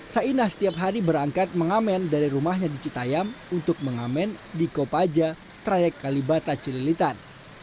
sainah setiap hari berangkat mengamen dari rumahnya di citayam untuk mengamen di kopaja trayek kalibata cililitan